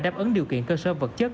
đáp ứng điều kiện cơ sơ vật chất